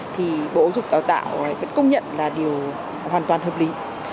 thì bộ giáo dục đào tạo vẫn công nhận là điều hoàn toàn hợp lý